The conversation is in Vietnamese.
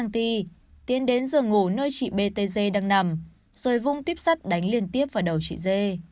tiến đến giường ngủ nơi chị b t g đang nằm rồi vung tuyếp sắt đánh liên tiếp vào đầu chị d